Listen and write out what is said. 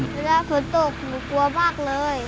เวลาผลตกผมกลัวมากเลย